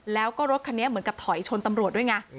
แล้วก็รถคันนี้เหมือนกับถอยชนตำรวจด้วยไง